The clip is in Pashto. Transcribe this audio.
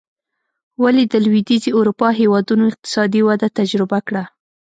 ولې د لوېدیځې اروپا هېوادونو اقتصادي وده تجربه کړه.